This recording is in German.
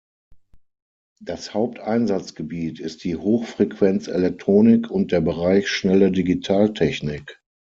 Das Haupteinsatzgebiet ist die Hochfrequenz-Elektronik und der Bereich schnelle Digitaltechnik.